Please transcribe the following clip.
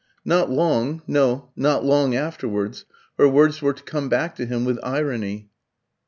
Not long no, not long afterwards, her words were to come back to him with irony.